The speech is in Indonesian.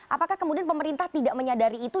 apakah kemudian pemerintah tidak menyadari itu